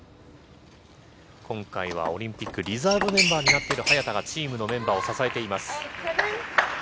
今回はオリンピックリザーブメンバーになっている早田がチームのメンバーを支えています。